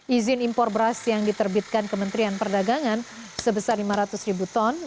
izin impor beras yang diterbitkan kementerian perdagangan sebesar lima ratus ribu ton